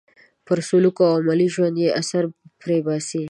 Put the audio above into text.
پر سلوک او عملي ژوند یې اثر پرې باسي.